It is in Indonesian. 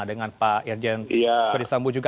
dengan pak irjen ferdisambu juga